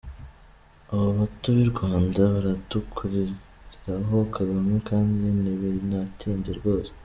Abo bato b’i Rwanda baradukuliraho Kagame kandi ntibinatinze rwose.